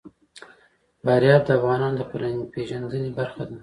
فاریاب د افغانانو د فرهنګي پیژندنې برخه ده.